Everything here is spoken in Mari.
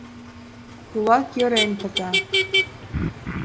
Тулат йӧрен пыта.